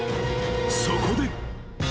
［そこで］